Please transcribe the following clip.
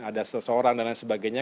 ada seseorang dan lain sebagainya